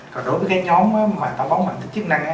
còn đối với cái nhóm mà táo bón bản tính chức năng á